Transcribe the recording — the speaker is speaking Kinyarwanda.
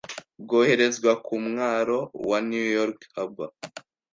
bwoherezwa ku mwaro wa New York Harbor